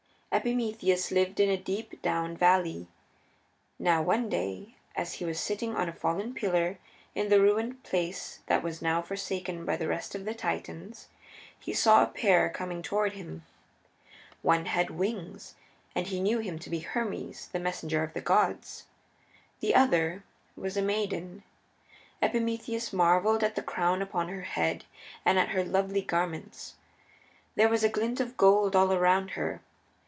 Epimetheus lived in a deep down valley. Now one day, as he was sitting on a fallen pillar in the ruined place that was now forsaken by the rest of the Titans, he saw a pair coming toward him. One had wings, and he knew him to be Hermes, the messenger of the gods. The other was a maiden. Epimetheus marveled at the crown upon her head and at her lovely garments. There was a glint of gold all around her.